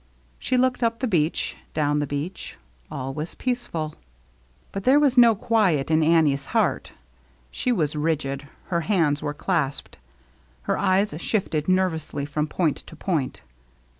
She looked up the beach, down the beach; all was peace fill. But there was no quiet in Annie's heart. She was rigid; her hands were clasped; her eyes shifted nervously from point to point.